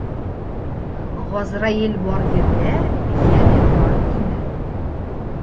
Ғазраил бар ерҙә «йәнем бар» тимә.